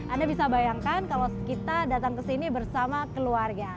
anda bisa bayangkan kalau kita datang ke sini bersama keluarga